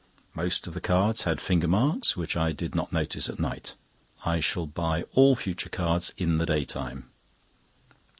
Most of the cards had finger marks, which I did not notice at night. I shall buy all future cards in the daytime.